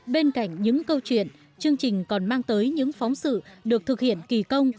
bên cạnh những câu chuyện chương trình còn mang tới những phóng sự được thực hiện kỳ công